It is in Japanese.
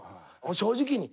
正直に。